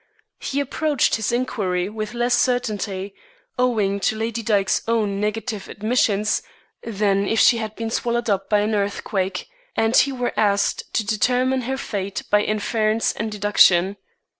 He approached his inquiry with less certainty, owing to Lady Dyke's own negative admissions, than if she had been swallowed up by an earthquake, and he were asked to determine her fate by inference and deduction.